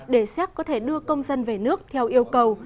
để séc có thể đưa công dân về nước theo yêu cầu